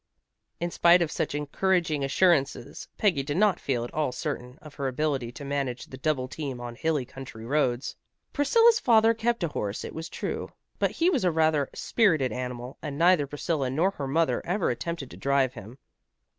In spite of such encouraging assurances, Peggy did not feel at all certain of her ability to manage the double team on hilly country roads. Priscilla's father kept a horse, it was true, but he was a rather spirited animal, and neither Priscilla nor her mother ever attempted to drive him.